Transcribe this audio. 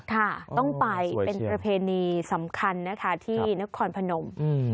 ค่ะต้องไปเป็นระเภณีสำคัญที่หน้าคอนพนม